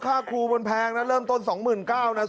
ค่าครูมนต์แพงเริ่มต้น๒๙๐๐๐บาท